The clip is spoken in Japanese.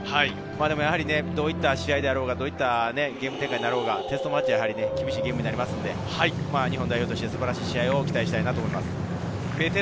やはりどういった試合であろうが、どういったゲーム展開であろうが、テストマッチはやはり厳しいゲームになりますので、日本代表として素晴らしい試合を期待したいといます。